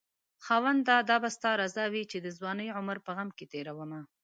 خاونده دا به ستا رضاوي چې دځوانۍ عمر په غم کې تيرومه